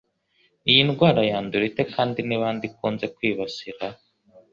Iyi ndwara yandura ite kandi ni bande ikunze kwibasira?